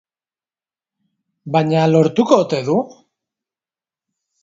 Baina lortuko ote du?